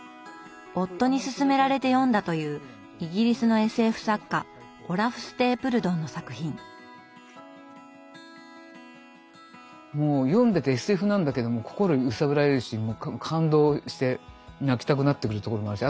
夫にすすめられて読んだというイギリスのもう読んでてＳＦなんだけども心揺さぶられるし感動して泣きたくなってくるところもあるし